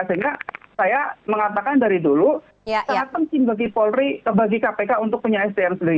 sehingga saya mengatakan dari dulu sangat penting bagi polri bagi kpk untuk punya sdm sendiri